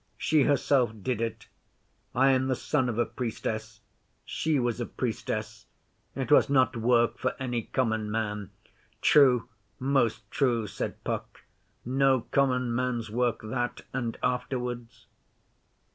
She herself did it. I am the son of a Priestess. She was a Priestess. It was not work for any common man.' 'True! Most true,' said Puck. 'No common man's work that. And, afterwards?